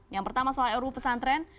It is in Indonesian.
yang pertama soal ru pesantren